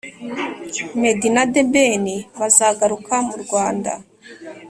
meddy na the ben bazagaruka mu rwanda